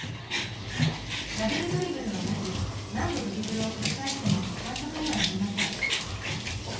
ダブルドリブルはなく何度ドリブルを繰り返しても反則にはなりません。